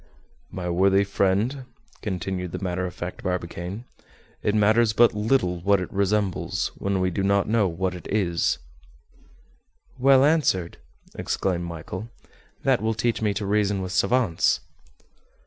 "My worthy friend," continued the matter of fact Barbicane, "it matters but little what it resembles, when we do not know what it is." "Well answered," exclaimed Michel. "That will teach me to reason with savants."